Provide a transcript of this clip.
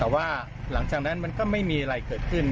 แต่ว่าหลังจากนั้นมันก็ไม่มีอะไรเกิดขึ้น